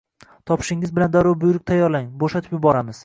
– Topishingiz bilan darrov buyruq tayyorlang, bo‘shatib yuboramiz